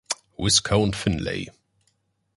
Viscount Finlay.